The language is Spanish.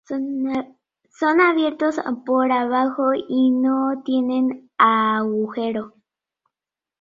Son abiertos por abajo y no tienen agujero.